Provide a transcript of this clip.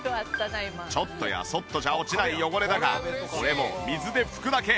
ちょっとやそっとじゃ落ちない汚れだがこれも水で拭くだけ。